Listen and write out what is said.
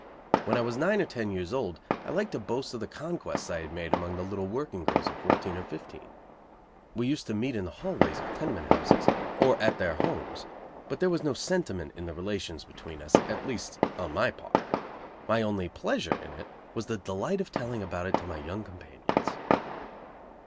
When I was nine or ten years old I liked to boast of the conquests I had made among little working girls of fourteen or fifteen. We used to meet in the hall ways of tenement houses, or at their homes, but there was no sentiment in the relations between us, at least on my part. My only pleasure in it was the delight of telling about it to my young companions.